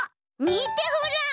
みてほら！